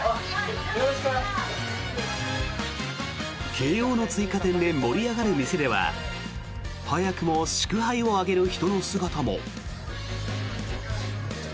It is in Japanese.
慶応の追加点で盛り上がる店では早くも祝杯を挙げる人の姿も。